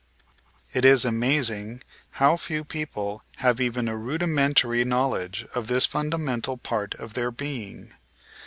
It is amazing how few people have even a rudimentary knowledge of this fundamental part of their being.